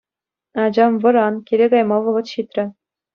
Ачам, вӑран, киле кайма вӑхӑт ҫитрӗ.